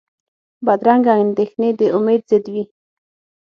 بدرنګه اندېښنې د امید ضد وي